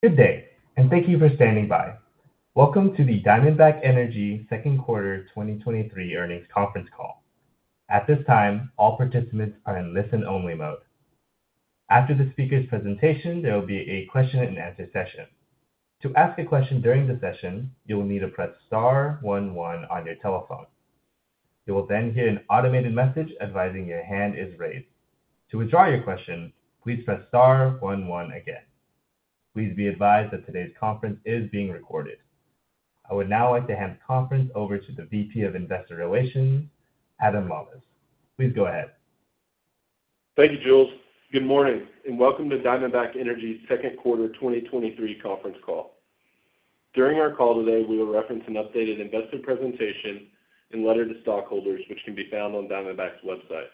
Good day, and thank you for standing by. Welcome to the Diamondback Energy second quarter 2023 earnings conference call. At this time, all participants are in listen-only mode. After the speaker's presentation, there will be a question-and-answer session. To ask a question during the session, you will need to press star one, one on your telephone. You will then hear an automated message advising your hand is raised. To withdraw your question, please press star one, one again. Please be advised that today's conference is being recorded. I would now like to hand the conference over to the VP of Investor Relations, Adam Lawlis. Please go ahead. Thank you, Jules. Good morning, and welcome to Diamondback Energy's second quarter 2023 conference call. During our call today, we will reference an updated investor presentation and letter to stockholders, which can be found on Diamondback's website.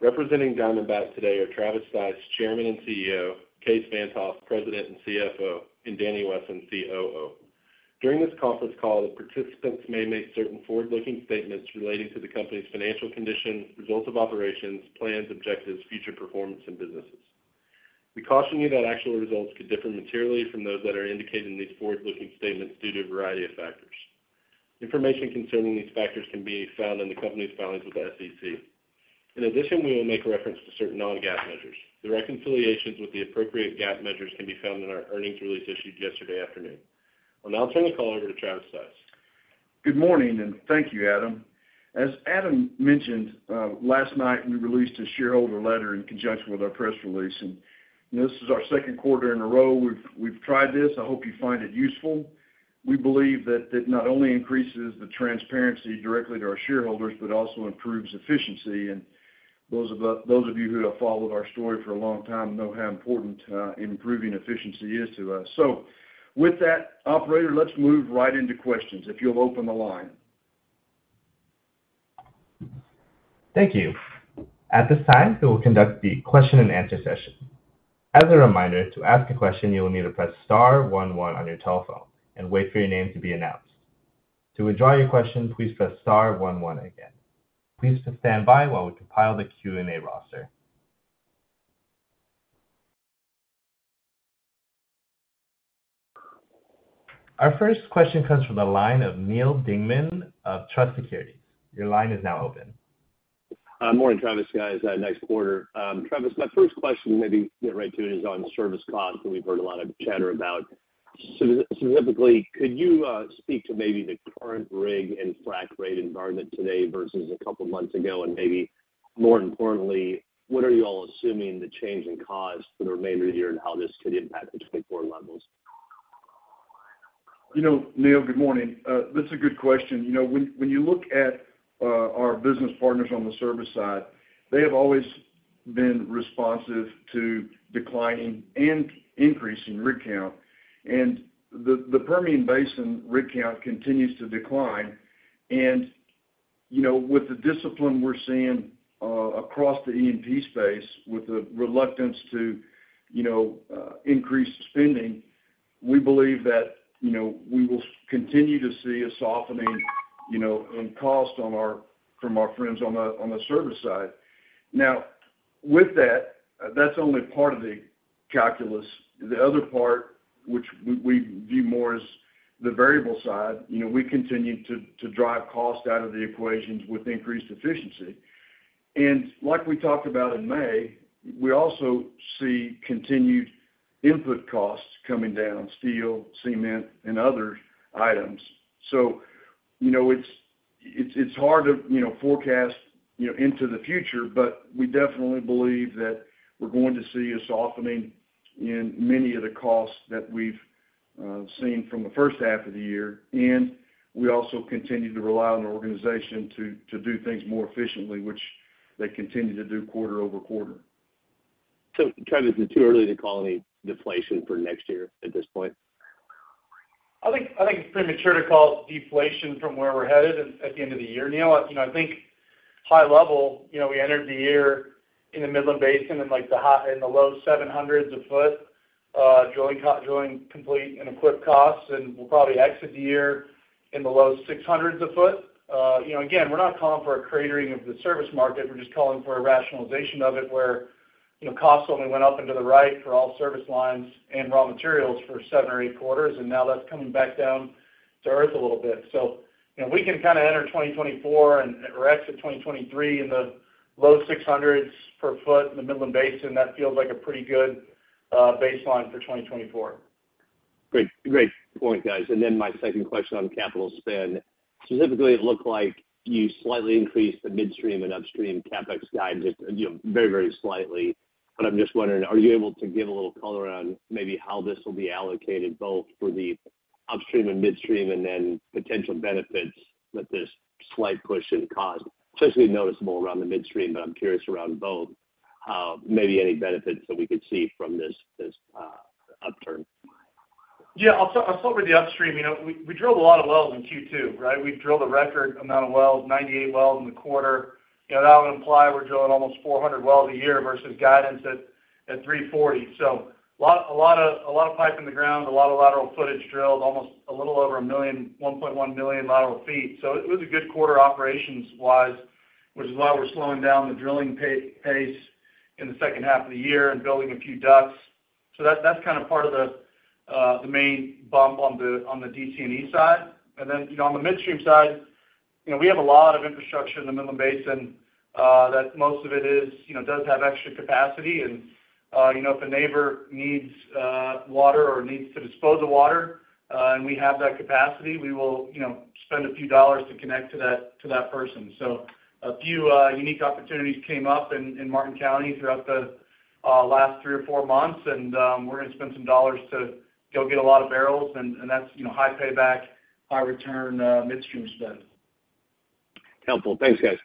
Representing Diamondback today are Travis Stice, Chairman and CEO; Kaes Van't Hof, President and CFO; and Danny Wesson, COO. During this conference call, the participants may make certain forward-looking statements relating to the company's financial condition, results of operations, plans, objectives, future performance, and businesses. We caution you that actual results could differ materially from those that are indicated in these forward-looking statements due to a variety of factors. Information concerning these factors can be found in the company's filings with the SEC. In addition, we will make reference to certain non-GAAP measures. The reconciliations with the appropriate GAAP measures can be found in our earnings release issued yesterday afternoon. I'll now turn the call over to Travis Stice. Good morning. Thank you, Adam. As Adam mentioned last night, we released a shareholder letter in conjunction with our press release. This is our second quarter in a row. We've tried this. I hope you find it useful. We believe that it not only increases the transparency directly to our shareholders, but also improves efficiency. Those of you who have followed our story for a long time know how important improving efficiency is to us. With that, operator, let's move right into questions, if you'll open the line. Thank you. At this time, we will conduct the question-and-answer session. As a reminder, to ask a question, you will need to press star one one on your telephone and wait for your name to be announced. To withdraw your question, please press star one, one again. Please stand by while we compile the Q&A roster. Our first question comes from the line of Neal Dingmann of Truist Securities. Your line is now open. Morning, Travis, guys. Nice quarter. Travis, my first question, maybe get right to it, is on service costs, that we've heard a lot of chatter about. Specifically, could you speak to maybe the current rig and frac rate environment today versus a couple of months ago? Maybe more importantly, what are you all assuming the change in cost for the remainder of the year and how this could impact the 2024 levels? You know, Neil, good morning. That's a good question. You know, when, when you look at, our business partners on the service side, they have always been responsive to declining and increasing rig count. The, the Permian Basin rig count continues to decline. You know, with the discipline we're seeing, across the E&P space, with the reluctance to, you know, increase spending, we believe that, you know, we will continue to see a softening, you know, in cost on our-- from our friends on the, on the service side. Now, with that, that's only part of the calculus. The other part, which we, we view more as the variable side, you know, we continue to, to drive costs out of the equations with increased efficiency. Like we talked about in May, we also see continued input costs coming down, steel, cement and other items. You know, it's, it's, it's hard to, you know, forecast, you know, into the future, but we definitely believe that we're going to see a softening in many of the costs that we've seen from the first half of the year. We also continue to rely on our organization to, to do things more efficiently, which they continue to do quarter-over-quarter. Travis, it's too early to call any deflation for next year at this point? I think, I think it's premature to call deflation from where we're headed at the end of the year, Neil. You know, I think high level, you know, we entered the year in the Midland Basin in, like, the low $700s a foot, drilling, drilling, complete and equipped costs, and we'll probably exit the year in the low $600s a foot. You know, again, we're not calling for a cratering of the service market. We're just calling for a rationalization of it, where, you know, costs only went up into the right for all service lines and raw materials for seven or eight quarters, and now that's coming back down to earth a little bit. You know, we can kind of enter 2024 and or exit 2023 in the low $600s per foot in the Midland Basin. That feels like a pretty good baseline for 2024. Great. Great point, guys. Then my second question on capital spend. Specifically, it looked like you slightly increased the midstream and upstream CapEx guidance, you know, very, very slightly. I'm just wondering, are you able to give a little color around maybe how this will be allocated both for the upstream and midstream, and then potential benefits that this slight push in cost, especially noticeable around the midstream, but I'm curious around both, maybe any benefits that we could see from this, this, upturn? Yeah, I'll start with the upstream. You know, we, we drilled a lot of wells in Q2, right? We've drilled a record amount of wells, 98 wells in the quarter. You know, that would imply we're drilling almost 400 wells a year versus guidance at, at 340. A lot, a lot of, a lot of pipe in the ground, a lot of lateral footage drilled, almost a little over 1 million, 1.1 million lateral ft. It was a good quarter operations wise, which is why we're slowing down the drilling pace in the second half of the year and building a few DUCs. That, that's kind of part of the main bump on the, on the DC and E side. You know, on the midstream side, you know, we have a lot of infrastructure in the Midland Basin that most of it is, you know, does have extra capacity. You know, if a neighbor needs water or needs to dispose of water, and we have that capacity, we will, you know, spend a few dollars to connect to that, to that person. A few unique opportunities came up in Martin County throughout the last three or four months, and we're gonna spend some dollars to go get a lot of barrels, and that's, you know, high payback, high return, midstream spend. Helpful. Thanks, guys.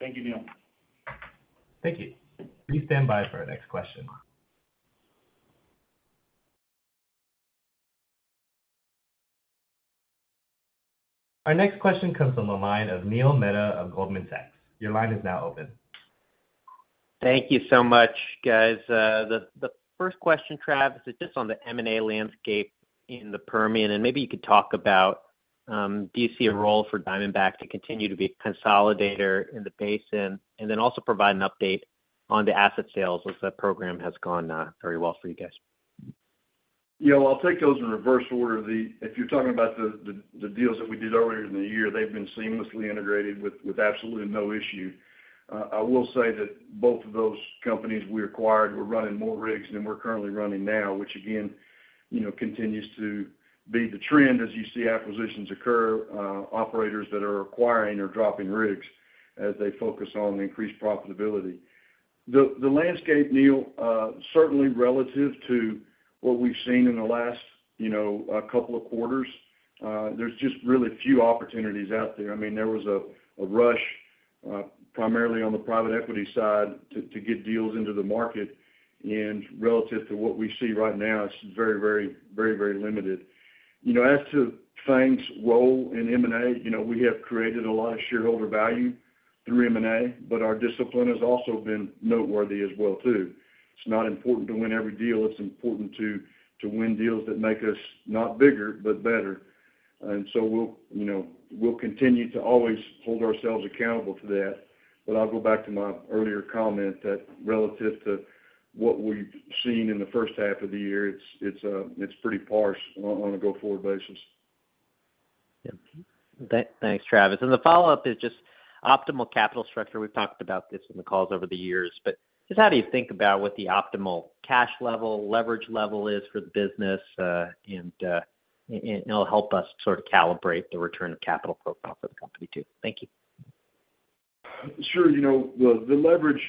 Thank you, Neil. Thank you. Please stand by for our next question. Our next question comes from the line of Neil Mehta of Goldman Sachs. Your line is now open. Thank you so much, guys. The first question, Travis, is just on the M&A landscape in the Permian, maybe you could talk about, do you see a role for Diamondback to continue to be a consolidator in the basin? Then also provide an update on the asset sales, as that program has gone very well for you guys. Yeah, well, I'll take those in reverse order. If you're talking about the, the, the deals that we did earlier in the year, they've been seamlessly integrated with, with absolutely no issue. I will say that both of those companies we acquired were running more rigs than we're currently running now, which again, you know, continues to be the trend as you see acquisitions occur, operators that are acquiring or dropping rigs as they focus on the increased profitability. The, the landscape, Neil, certainly relative to what we've seen in the last, you know, couple of quarters, there's just really few opportunities out there. I mean, there was a, a rush, primarily on the private equity side, to, to get deals into the market, and relative to what we see right now, it's very, very, very, very limited. You know, as to FANG's role in M&A, you know, we have created a lot of shareholder value through M&A, but our discipline has also been noteworthy as well, too. It's not important to win every deal. It's important to, to win deals that make us not bigger, but better. We'll, you know, we'll continue to always hold ourselves accountable to that. I'll go back to my earlier comment, that relative to what we've seen in the first half of the year, it's, it's, it's pretty sparse on, on a go-forward basis. Yep. Thanks, Travis. The follow-up is just optimal capital structure. We've talked about this in the calls over the years, but just how do you think about what the optimal cash level, leverage level is for the business? And it'll help us sort of calibrate the return of capital profile for the company, too. Thank you. Sure. You know, the, the leverage,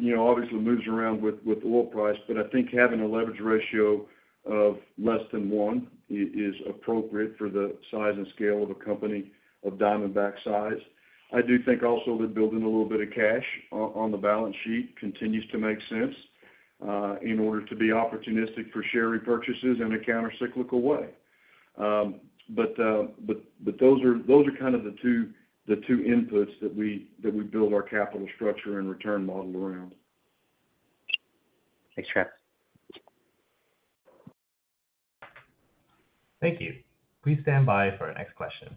you know, obviously moves around with, with oil price, but I think having a leverage ratio of less than one is appropriate for the size and scale of a company of Diamondback size. I do think also that building a little bit of cash on, on the balance sheet continues to make sense in order to be opportunistic for share repurchases in a countercyclical way. But, but those are, those are kind of the two, the two inputs that we, that we build our capital structure and return model around. Thanks, Travis. Thank you. Please stand by for our next question.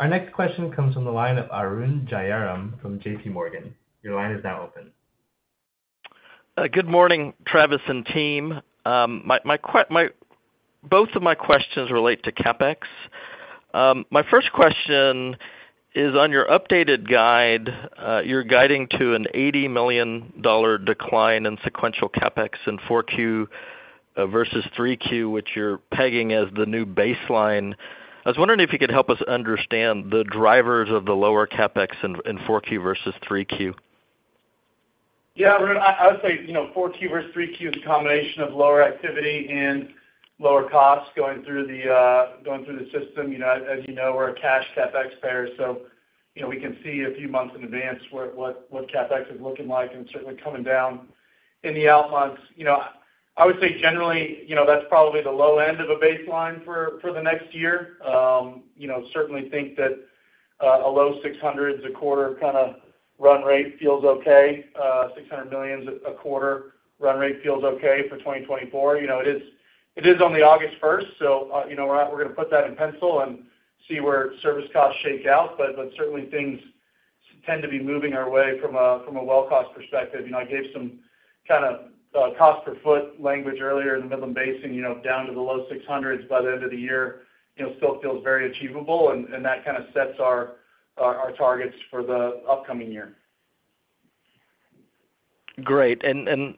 Our next question comes from the line of Arun Jayaram from JPMorgan. Your line is now open. Good morning, Travis and team. Both of my questions relate to CapEx. My first question is, on your updated guide, you're guiding to an $80-million decline in sequential CapEx in 4Q versus 3Q, which you're pegging as the new baseline. I was wondering if you could help us understand the drivers of the lower CapEx in 4Q versus 3Q. Yeah, Arun, I, I would say, you know, 4Q versus 3Q is a combination of lower activity and lower costs going through the, going through the system. You know, as you know, we're a cash CapEx payer, so, you know, we can see a few months in advance what, what, what CapEx is looking like, and certainly coming down in the out months. You know, I would say generally, you know, that's probably the low end of a baseline for, for the next year. Certainly think that a low six hundreds a quarter kind of run rate feels okay. $600 million a quarter run rate feels okay for 2024. You know, it is, it is only August first, so, you know, we're, we're gonna put that in pencil and see where service costs shake out. Certainly things tend to be moving our way from a, from a well cost perspective. You know, I gave some kind of cost per foot language earlier in the Midland Basin, you know, down to the low $600 by the end of the year. You know, still feels very achievable, and, and that kind of sets our, our, our targets for the upcoming year. Great, and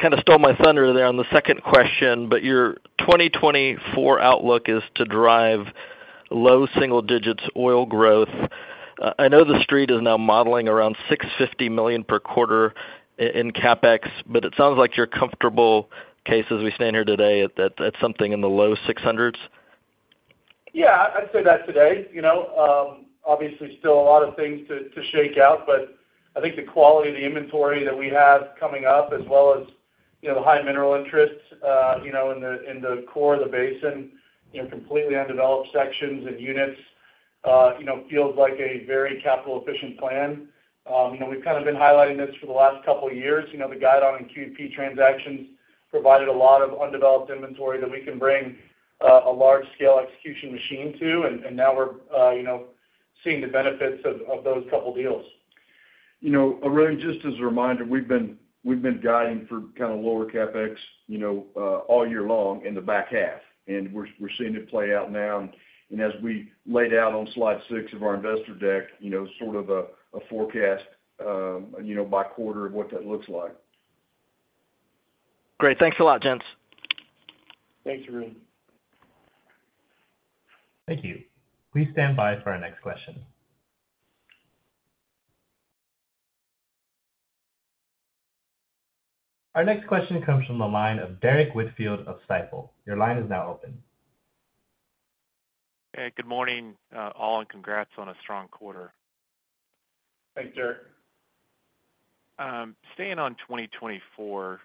kind of stole my thunder there on the second question, but your 2024 outlook is to drive low single digits oil growth. I know the street is now modeling around $650 million per quarter in CapEx, but it sounds like you're comfortable Kaes, as we stand here today, at that, that's something in the low $600s? Yeah, I'd say that today. You know, obviously, still a lot of things to, to shake out, but I think the quality of the inventory that we have coming up, as well as, you know, the high mineral interests, you know, in the, in the core of the basin, you know, completely undeveloped sections and units, you know, feels like a very capital-efficient plan. You know, we've kind of been highlighting this for the last couple of years. You know, the Guidon and QEP transactions provided a lot of undeveloped inventory that we can bring, a large-scale execution machine to, and now we're, you know, seeing the benefits of, of those couple deals. You know, Arun, just as a reminder, we've been, we've been guiding for kind of lower CapEx, you know, all year long in the back half, and we're, we're seeing it play out now. As we laid out on slide six of our investor deck, you know, sort of a, a forecast, you know, by quarter of what that looks like. Great. Thanks a lot, gents. Thanks, Arun. Thank you. Please stand by for our next question. Our next question comes from the line of Derrick Whitfield of Stifel. Your line is now open. Hey, good morning, all, and congrats on a strong quarter. Thanks, Derrick. Staying on 2024,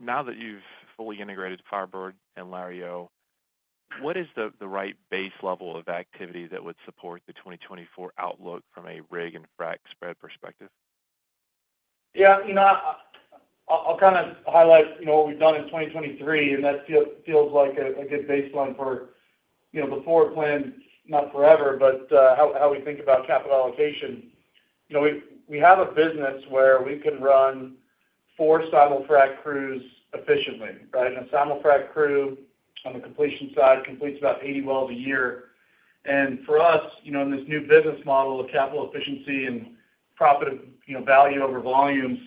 now that you've fully integrated FireBird and Lario, what is the, the right base level of activity that would support the 2024 outlook from a rig and frac spread perspective? Yeah, you know, I- I'll kind of highlight, you know, what we've done in 2023, that feels, feels like a, a good baseline for, you know, the forward plan, not forever, but, how, how we think about capital allocation. You know, we, we have a business where we can run four simul-frac crews efficiently, right? A simul-frac crew, on the completion side, completes about 80 wells a year. For us, you know, in this new business model of capital efficiency and profit, you know, value over volumes,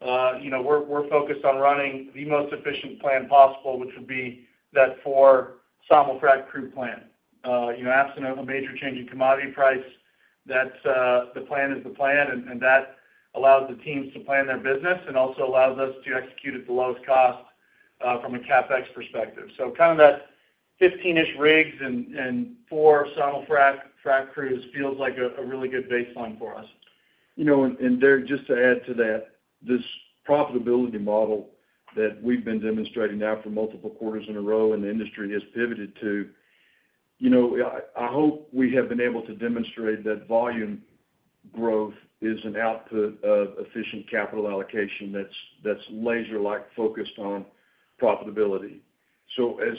you know, we're, we're focused on running the most efficient plan possible, which would be that four simul-frac crew plan. You know, absent of a major change in commodity price, that's the plan is the plan, and that allows the teams to plan their business and also allows us to execute at the lowest cost from a CapEx perspective. Kind of that 15-ish rigs and 4 simul-frac crews feels like a really good baseline for us. You know, and Derrick, just to add to that, this profitability model that we've been demonstrating now for multiple quarters in a row, and the industry has pivoted to, you know, I, I hope we have been able to demonstrate that volume growth is an output of efficient capital allocation that's, that's laser-like focused on profitability. As,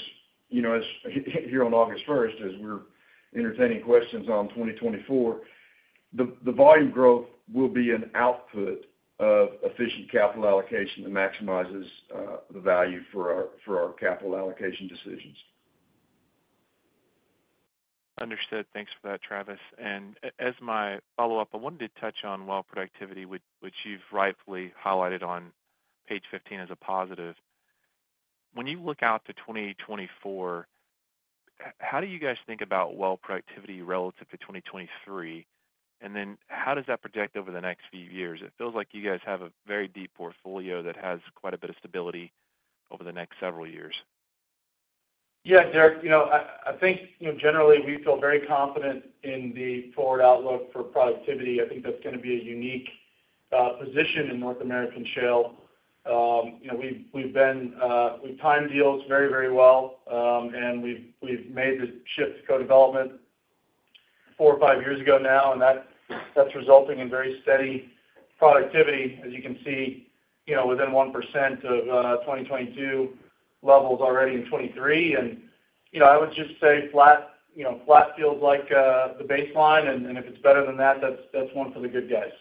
you know, as here on August 1st, as we're entertaining questions on 2024, the, the volume growth will be an output of efficient capital allocation that maximizes the value for our, for our capital allocation decisions. Understood. Thanks for that, Travis. As my follow-up, I wanted to touch on well productivity, which, which you've rightfully highlighted on page 15 as a positive. When you look out to 2024, how do you guys think about well productivity relative to 2023? How does that project over the next few years? It feels like you guys have a very deep portfolio that has quite a bit of stability over the next several years. Yeah, Derrick, you know, I, I think, you know, generally, we feel very confident in the forward outlook for productivity. I think that's gonna be a unique position in North American shale. You know, we've, we've been, we've timed deals very, very well, and we've, we've made the shift to co-development four or five years ago now, and that, that's resulting in very steady productivity, as you can see, you know, within 1% of 2022 levels already in 2023. You know, I would just say flat, you know, flat feels like the baseline, and, and if it's better than that, that's, that's 1 for the good guys.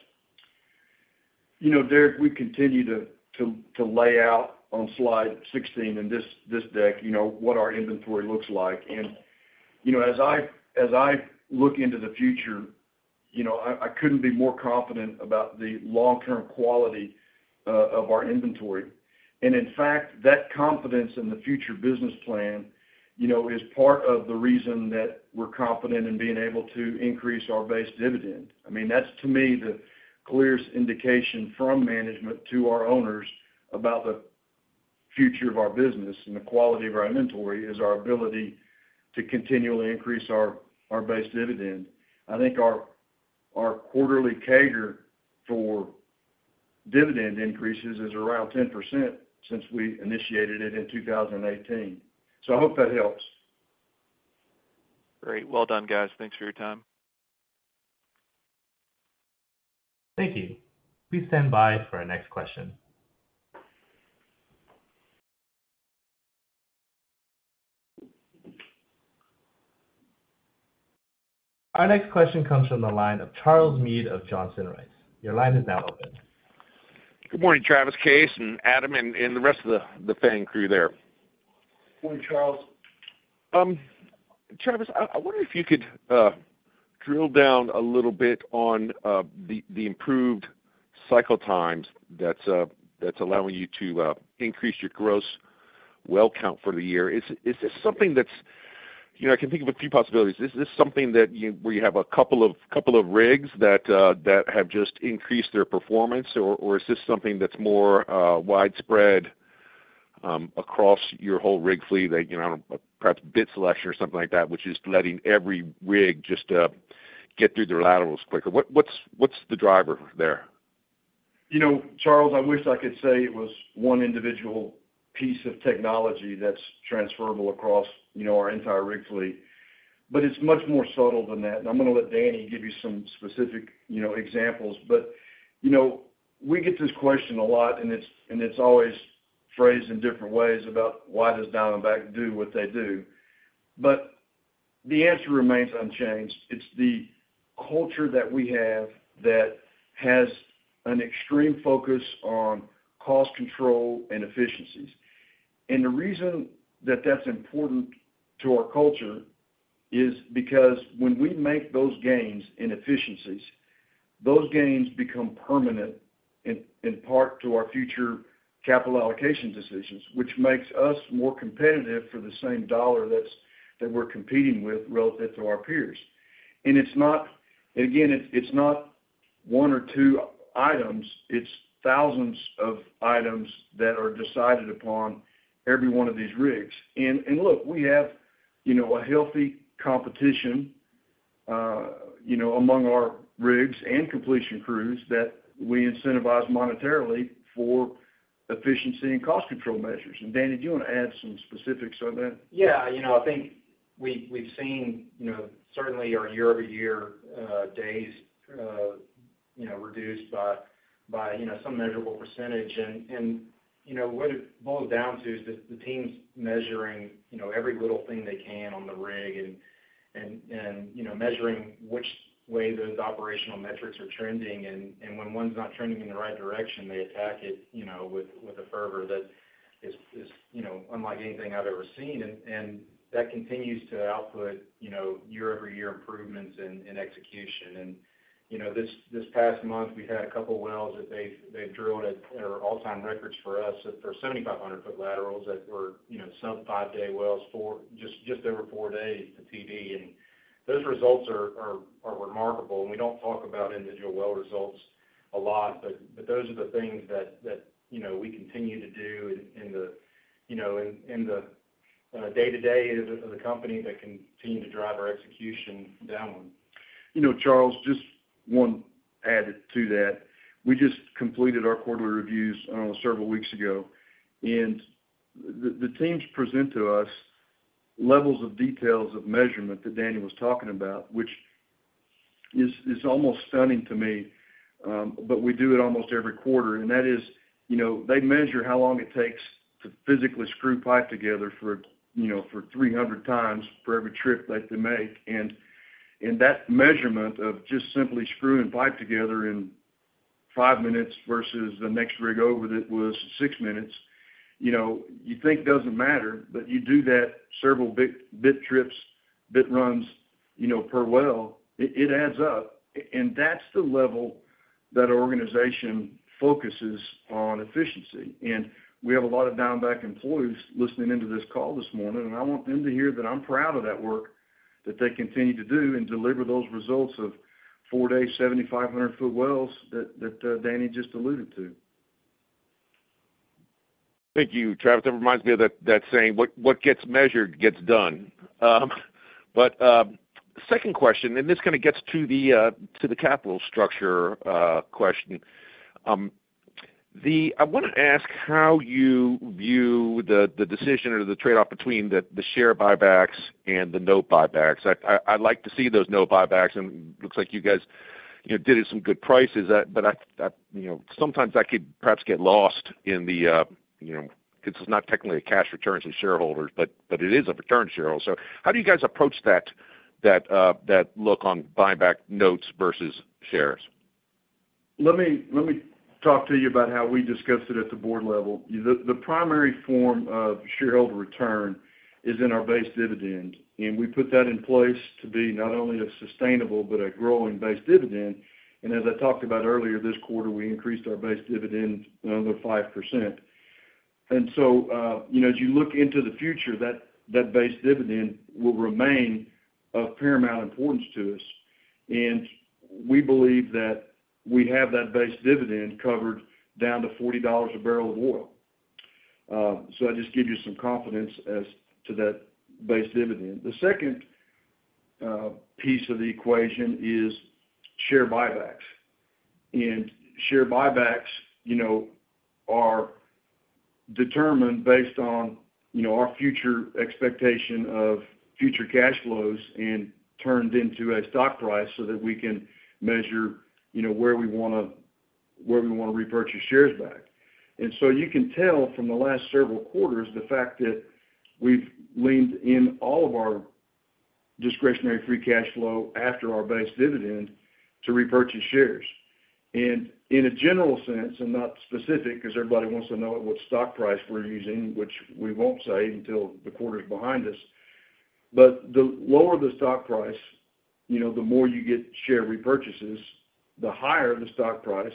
You know, Derrick, we continue to, to, to lay out on slide 16 in this, this deck, you know, what our inventory looks like. As I, as I look into the future, you know, I, I couldn't be more confident about the long-term quality of our inventory. In fact, that confidence in the future business plan, you know, is part of the reason that we're confident in being able to increase our base dividend. I mean, that's, to me, the clearest indication from management to our owners about the future of our business and the quality of our inventory, is our ability to continually increase our, our base dividend. I think our, our quarterly CAGR for dividend increases is around 10% since we initiated it in 2018. I hope that helps. Great. Well done, guys. Thanks for your time. Thank you. Please stand by for our next question. Our next question comes from the line of Charles Meade of Johnson Rice. Your line is now open. Good morning, Travis, Kaes, and Adam, and the rest of the gang crew there. Good morning, Charles. Travis, I, I wonder if you could drill down a little bit on the improved cycle times that's that's allowing you to increase your gross well count for the year. Is this something that's... You know, I can think of a few possibilities. Is this something where you have a couple of, couple of rigs that have just increased their performance, or, or is this something that's more widespread across your whole rig fleet, that, you know, perhaps bit selection or something like that, which is letting every rig just get through their laterals quicker? What, what's, what's the driver there? You know, Charles, I wish I could say it was one individual piece of technology that's transferable across, you know, our entire rig fleet. It's much more subtle than that. I'm gonna let Danny give you some specific, you know, examples. You know, we get this question a lot, and it's, and it's always phrased in different ways about why does Diamondback do what they do? The answer remains unchanged. It's the culture that we have that has an extreme focus on cost control and efficiencies. The reason that that's important to our culture is because when we make those gains in efficiencies, those gains become permanent in, in part to our future capital allocation decisions, which makes us more competitive for the same dollar that we're competing with relative to our peers. It's not, again, it's, it's not one or two items, it's thousands of items that are decided upon every one of these rigs. Look, we have, you know, a healthy competition, you know, among our rigs and completion crews that we incentivize monetarily for efficiency and cost control measures. Danny, do you want to add some specifics on that? Yeah. You know, I think we, we've seen, you know, certainly our year-over-year days, you know, reduced by, by, you know, some measurable percentage. You know, what it boils down to is the teams measuring, you know, every little thing they can on the rig, and, you know, measuring which way those operational metrics are trending. When one's not trending in the right direction, they attack it, you know, with a fervor that is, you know, unlike anything I've ever seen. That continues to output, you know, year-over-year improvements in execution. You know, this past month, we had a couple wells that they've drilled at our all-time records for us, for 7,500 foot laterals that were, you know, some five-day wells, just over four days to TD. Those results are remarkable. We don't talk about individual well results a lot, but those are the things that, you know, we continue to do in the, you know, in the day-to-day of the company that continue to drive our execution downwind. You know, Charles, just one added to that. We just completed our quarterly reviews, several weeks ago, The, the teams present to us levels of details of measurement that Danny was talking about, which is, is almost stunning to me, but we do it almost every quarter. That is, you know, they measure how long it takes to physically screw pipe together for, you know, for 300 times for every trip that they make. That measurement of just simply screwing pipe together in five minutes versus the next rig over that was six minutes, you know, you think doesn't matter, but you do that several bit, bit trips, bit runs, you know, per well, it, it adds up. That's the level that our organization focuses on efficiency. We have a lot of Diamondback employees listening in to this call this morning, and I want them to hear that I'm proud of that work that they continue to do and deliver those results of four-day, 7,500 foot wells that Danny just alluded to. Thank you, Travis. That reminds me of that, that saying, "What, what gets measured gets done." Second question. This kind of gets to the capital structure question. I want to ask how you view the decision or the trade-off between the share buybacks and the note buybacks. I, I, I'd like to see those note buybacks, and looks like you guys, you know, did it some good prices. I, I, you know, sometimes I could perhaps get lost in the, you know, because it's not technically a cash return to shareholders, but it is a return to shareholders. How do you guys approach that, that look on buyback notes versus shares? Let me, let me talk to you about how we discussed it at the board level. The primary form of shareholder return is in our base dividend, we put that in place to be not only a sustainable, but a growing base dividend. As I talked about earlier this quarter, we increased our base dividend another 5%. You know, as you look into the future, that base dividend will remain of paramount importance to us, and we believe that we have that base dividend covered down to $40/bbl of oil. That just gives you some confidence as to that base dividend. The second piece of the equation is share buybacks. Share buybacks, you know, are determined based on, you know, our future expectation of future cash flows and turned into a stock price so that we can measure, you know, where we wanna, where we wanna repurchase shares back. You can tell from the last several quarters, the fact that we've leaned in all of our discretionary free cash flow after our base dividend to repurchase shares. In a general sense, and not specific, because everybody wants to know what stock price we're using, which we won't say until the quarter's behind us, but the lower the stock price, you know, the more you get share repurchases, the higher the stock price,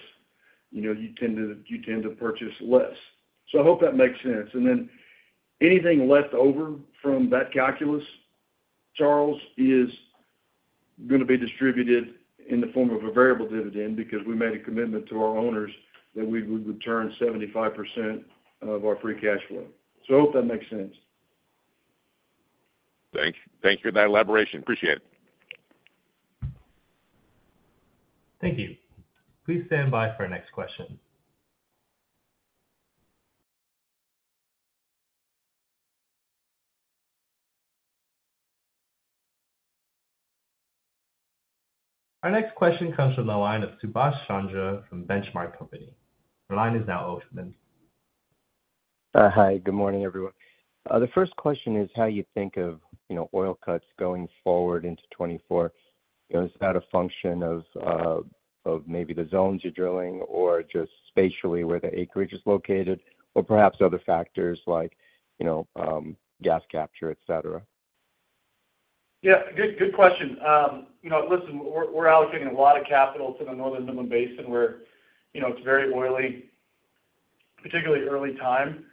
you know, you tend to, you tend to purchase less. I hope that makes sense. Anything left over from that calculus, Charles, is gonna be distributed in the form of a variable dividend because we made a commitment to our owners that we would return 75% of our free cash flow. I hope that makes sense. Thanks, thank you for that elaboration. Appreciate it. Thank you. Please stand by for our next question. Our next question comes from the line of Subash Chandra from The Benchmark Company. Your line is now open. Hi, good morning, everyone. The first question is how you think of, you know, oil cuts going forward into 2024. You know, is that a function of maybe the zones you're drilling or just spatially where the acreage is located, or perhaps other factors like, you know, gas capture, etc? Yeah, good, good question. You know, listen, we're, we're allocating a lot of capital to the Northern Midland Basin, where, you know, it's very oily, particularly early time.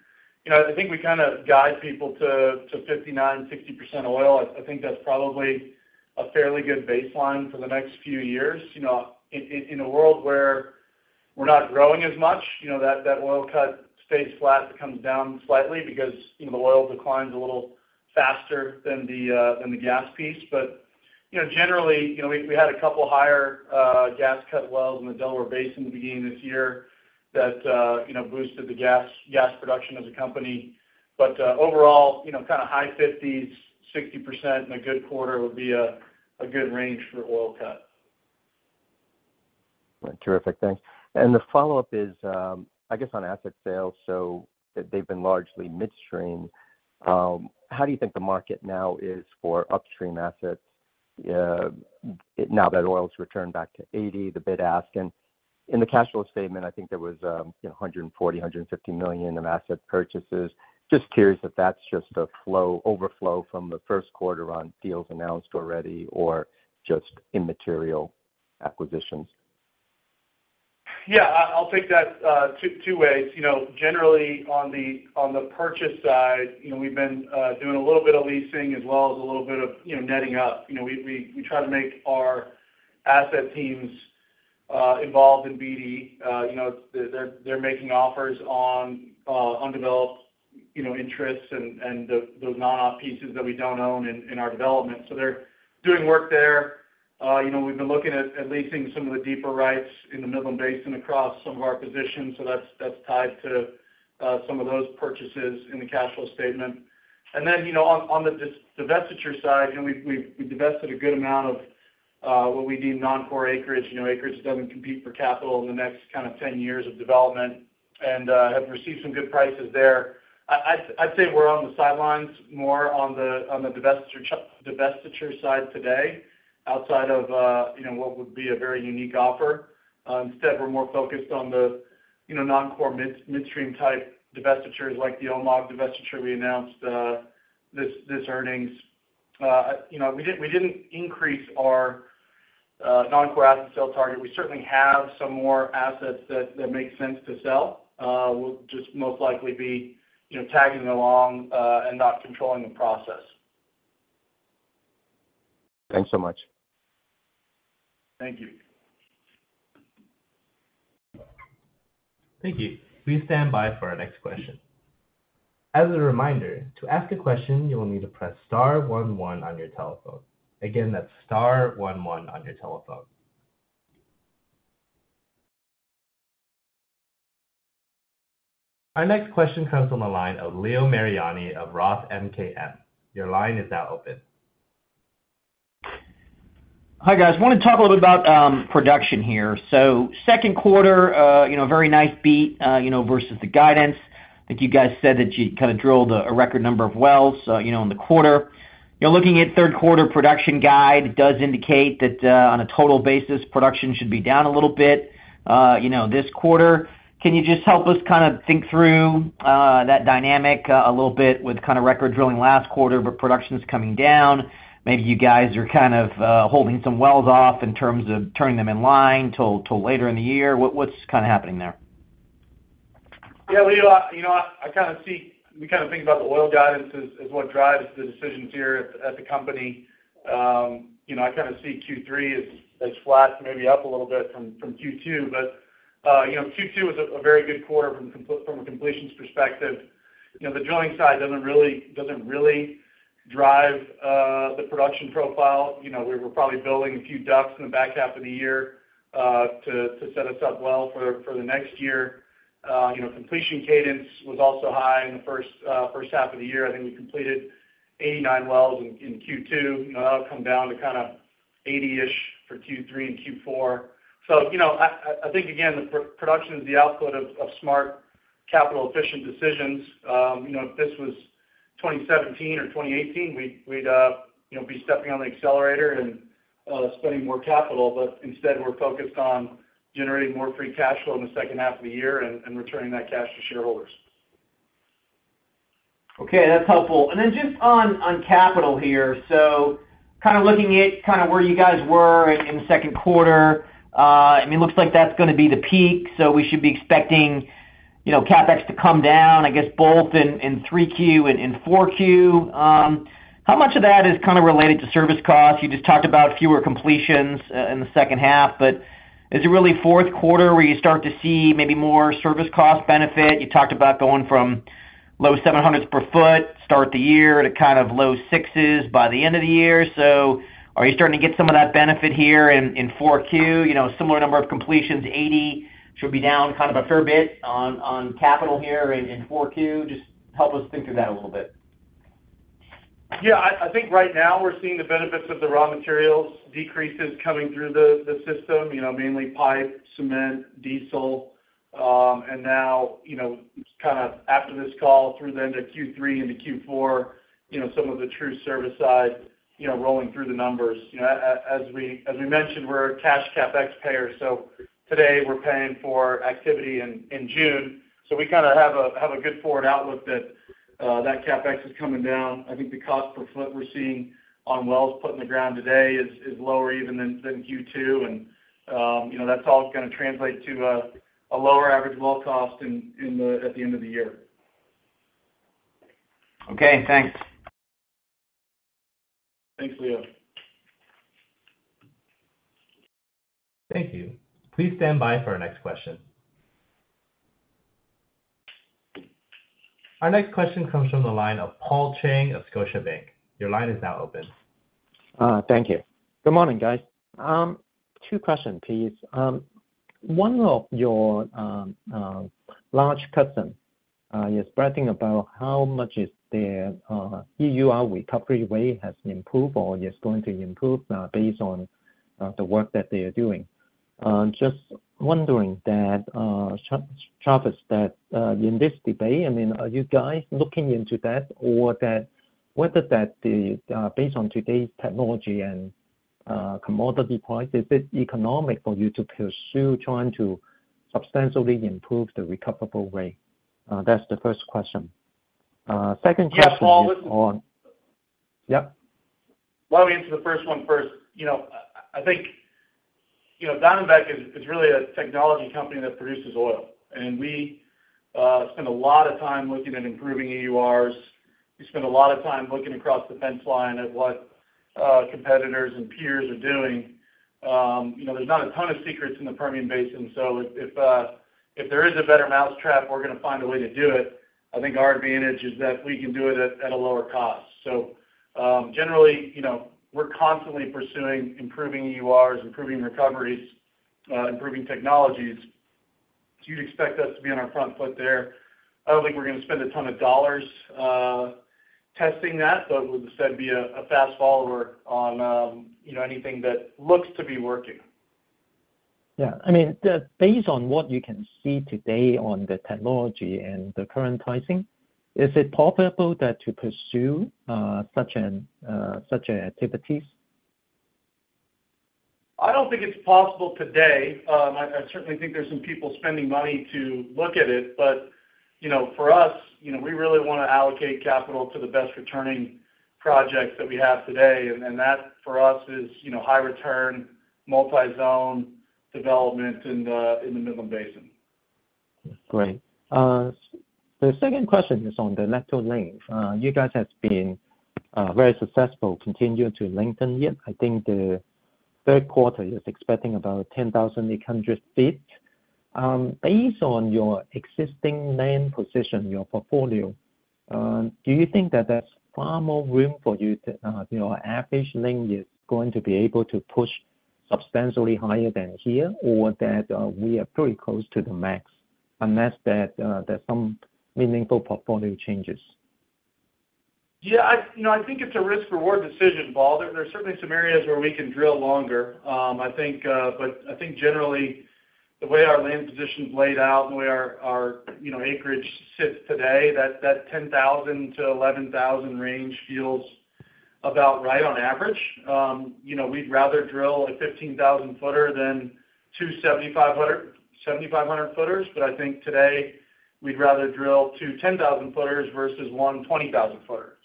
You know, I think we kind of guide people to, to 59%, 60% oil. I, I think that's probably a fairly good baseline for the next few years. You know, in, in, in a world where we're not growing as much, you know, that, that oil cut stays flat, comes down slightly because, you know, the oil declines a little faster than the, than the gas piece. But, you know, generally, you know, we, we had a couple higher, gas cut wells in the Delaware Basin at the beginning of this year that, you know, boosted the gas, gas production as a company. Overall, you know, kind of high 50s%, 60% in a good quarter would be a, a good range for oil cut. Terrific. Thanks. The follow-up is, I guess on asset sales, so they've been largely midstream. How do you think the market now is for upstream assets, now that oil's returned back to $80, the bid-ask? In the cash flow statement, I think there was, you know, $140 million-$150 million of asset purchases. Just curious if that's just a flow, overflow from the first quarter on deals announced already or just immaterial acquisitions. Yeah, I, I'll take that two, two ways. You know, generally, on the, on the purchase side, you know, we've been doing a little bit of leasing as well as a little bit of, you know, netting up. You know, we, we, we try to make our asset teams involved in BD. You know, they're, they're making offers on undeveloped, you know, interests and, and the, those non-op pieces that we don't own in, in our development. They're doing work there. You know, we've been looking at, at leasing some of the deeper rights in the Midland Basin across some of our positions. That's, that's tied to some of those purchases in the cash flow statement. You know, on, on the divestiture side, you know, we've, we've, we've divested a good amount of what we deem non-core acreage, you know, acreage that doesn't compete for capital in the next kind of 10 years of development and have received some good prices there. I, I, I'd say we're on the sidelines more on the, on the divestiture side today, outside of, you know, what would be a very unique offer. Instead, we're more focused on the, you know, non-core midstream type divestitures like the OMOG divestiture we announced, this, this earnings. You know, we didn't, we didn't increase our non-core asset sale target. We certainly have some more assets that, that make sense to sell. We'll just most likely be, you know, tagging along and not controlling the process. Thanks so much. Thank you. Thank you. Please stand by for our next question. As a reminder, to ask a question, you will need to press star one one on your telephone. Again, that's star one one on your telephone. Our next question comes from the line of Leo Mariani of Roth MKM. Your line is now open. Hi, guys. I wanna talk a little bit about production here. Second quarter, you know, very nice beat, you know, versus the guidance. I think you guys said that you kind of drilled a, a record number of wells, you know, in the quarter. You're looking at third quarter production guide, it does indicate that, on a total basis, production should be down a little bit, you know, this quarter. Can you just help us kind of think through that dynamic a little bit with kind of record drilling last quarter, but production is coming down? Maybe you guys are kind of holding some wells off in terms of turning them in line till, till later in the year. What, what's kind of happening there? Yeah, Leo, you know what? I kind of see... We kind of think about the oil guidance as, as what drives the decisions here at, at the company. You know, I kind of see Q3 as, as flat, maybe up a little bit from, from Q2. You know, Q2 was a, a very good quarter from a completions perspective. You know, the drilling side doesn't really, doesn't really drive the production profile. You know, we were probably building a few DUCs in the back half of the year to, to set us up well for, for the next year. You know, completion cadence was also high in the first half of the year. I think we completed 89 wells in, in Q2. You know, that'll come down to kind of 80-ish for Q3 and Q4. You know, I think, again, the production is the output of, of smart, capital-efficient decisions. You know, if this was 2017 or 2018, we'd, we'd, you know, be stepping on the accelerator and, spending more capital. Instead, we're focused on generating more free cash flow in the second half of the year and, and returning that cash to shareholders. Okay, that's helpful. Then just on, on capital here. Kind of looking at kind of where you guys were in, in the second quarter, I mean, looks like that's gonna be the peak. We should be expecting, you know, CapEx to come down, I guess, both in, in 3Q and in 4Q. How much of that is kind of related to service costs? You just talked about fewer completions in the second half, but, is it really fourth quarter where you start to see maybe more service cost benefit? You talked about going from low 700s per foot, start the year, to kind of low 6s by the end of the year. Are you starting to get some of that benefit here in, in 4Q? You know, similar number of completions, 80 should be down kind of a fair bit on capital here in 4Q. Just help us think through that a little bit. Yeah, I, I think right now we're seeing the benefits of the raw materials decreases coming through the system, you know, mainly pipe, cement, diesel. Now, you know, kind of after this call through the end of Q3 into Q4, you know, some of the true service side, you know, rolling through the numbers. You know, as we, as we mentioned, we're a cash CapEx payer, so today we're paying for activity in June. We kind of have a, have a good forward outlook that CapEx is coming down. I think the cost per foot we're seeing on wells put in the ground today is, is lower even than Q2. You know, that's all gonna translate to a, a lower average well cost at the end of the year. Okay, thanks. Thanks, Leo. Thank you. Please stand by for our next question. Our next question comes from the line of Paul Cheng of Scotiabank. Your line is now open. Thank you. Good morning, guys. Two question, please. One of your large customer is bragging about how much is their EUR recovery rate has improved or is going to improve now based on the work that they are doing. Just wondering that, Travis, that, in this debate, I mean, are you guys looking into that? Whether that, based on today's technology and commodity price, is it economic for you to pursue trying to substantially improve the recoverable rate? That's the first question. Second question is. Yeah, Paul. Yep. Well, I'll answer the first one first. You know, I, I think, you know, Diamondback is, is really a technology company that produces oil, and we spend a lot of time looking at improving EURs. We spend a lot of time looking across the fence line at what competitors and peers are doing. You know, there's not a ton of secrets in the Permian Basin, so if, if there is a better mousetrap, we're gonna find a way to do it. I think our advantage is that we can do it at, at a lower cost. So, generally, you know, we're constantly pursuing improving EURs, improving recoveries, improving technologies. So you'd expect us to be on our front foot there. I don't think we're gonna spend a ton of dollars, testing that, but I would instead be a fast follower on, you know, anything that looks to be working. Yeah. I mean, based on what you can see today on the technology and the current pricing, is it possible that to pursue, such an, such an activities? I don't think it's possible today. I, I certainly think there's some people spending money to look at it. You know, for us, you know, we really wanna allocate capital to the best returning projects that we have today, and, and that for us is, you know, high return, multi-zone development in the, in the Midland Basin. Great. The second question is on the lateral length. You guys have been very successful continuing to lengthen it. I think the third quarter is expecting about 10,800 ft. Based on your existing land position, your portfolio, do you think that there's far more room for you to, you know, average length is going to be able to push substantially higher than here? Or that we are pretty close to the max, unless there's some meaningful portfolio changes? Yeah, I, you know, I think it's a risk/reward decision, Paul. There, there are certainly some areas where we can drill longer. I think, but I think generally, the way our land position is laid out and the way our, our, you know, acreage sits today, that, that 10,000 ft-11,000 ft range feels about right on average. You know, we'd rather drill a 15,000 footer than two 7,500, 7,500 footers, but I think today we'd rather drill two 10,000 footers versus one 20,000 footer.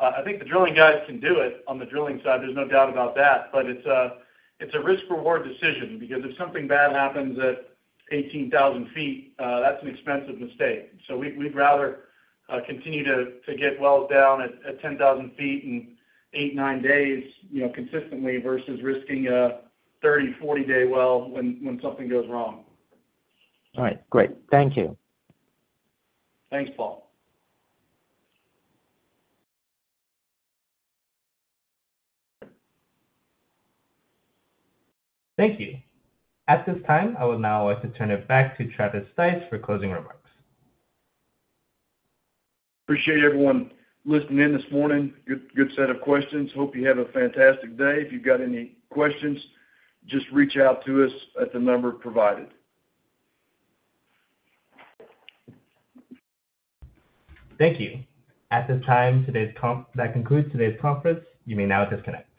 I think the drilling guys can do it on the drilling side, there's no doubt about that. It's a, it's a risk/reward decision, because if something bad happens at 18,000 ft, that's an expensive mistake. We'd, we'd rather continue to get wells down at 10,000 ft in eight, nine days, you know, consistently, versus risking a 30, 40-day well when something goes wrong. All right. Great. Thank you. Thanks, Paul. Thank you. At this time, I would now like to turn it back to Travis Stice for closing remarks. Appreciate everyone listening in this morning. Good, good set of questions. Hope you have a fantastic day. If you've got any questions, just reach out to us at the number provided. Thank you. At this time, That concludes today's conference. You may now disconnect.